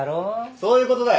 そういうことだよ。